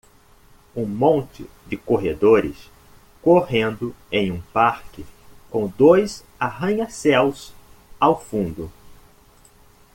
Um monte de corredores correndo em um parque com dois arranha-céus ao fundo